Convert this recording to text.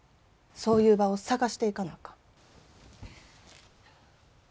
そういう場を探していかなあかん。